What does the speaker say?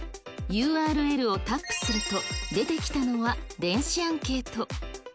ＵＲＬをタップすると、出てきたのは電子アンケート。